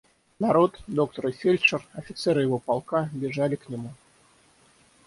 Народ, доктор и фельдшер, офицеры его полка, бежали к нему.